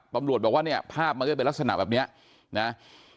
ตำรวจบอกว่าเนี่ยภาพมันก็จะเป็นลักษณะแบบนี้นะ